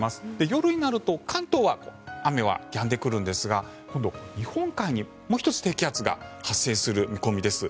夜になると関東は雨はやんでくるんですが今度は日本海に、もう１つ低気圧が発生する見込みです。